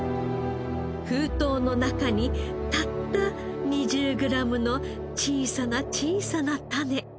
封筒の中にたった２０グラムの小さな小さな種。